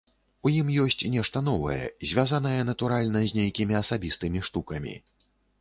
У ім ёсць нешта новае, звязанае, натуральна, з нейкімі асабістымі штукамі.